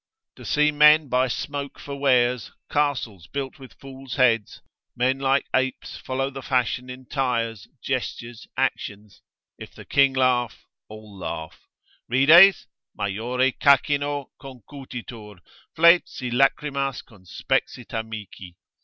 To see men buy smoke for wares, castles built with fools' heads, men like apes follow the fashions in tires, gestures, actions: if the king laugh, all laugh; Rides? majore chachiano Concutitur, flet si lachrymas conspexit amici.